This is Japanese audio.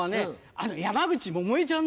あの山口百恵ちゃんだよ。